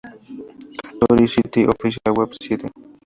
Katori City Official Web Site